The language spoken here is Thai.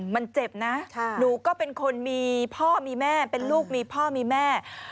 มันเจ็บนะหนูก็เป็นคนมีพ่อมีแม่เป็นลูกมีพ่อมีแม่